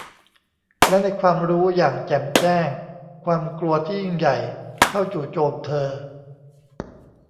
และในความรู้อย่างแจ่มแจ้ง ความกลัวที่ยิ่งใหญ่เข้าจู่โจมเธอ